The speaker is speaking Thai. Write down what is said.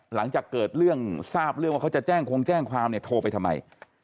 หลังจากเกิดเรื่องทราบเรื่องว่าเขาจะแจ้งคงแจ้งความเนี่ยโทรไปทำไม